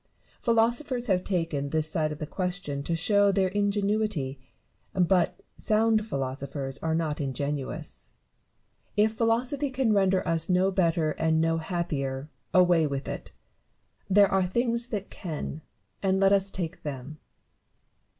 Philosophers have taken this side of the question to show their ingenuity ; but sound philosophers are not ingenious. BARROW AND NEWTON. 189 If philosophy can render us no better and no happier, away with it I There are things that can ; and let us take them.